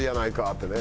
ってね。